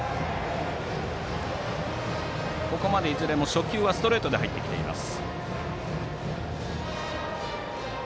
ここまでいずれも初球はストレートで入ってきています。